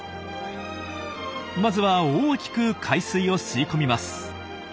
まずは大きく海水を吸い込みます。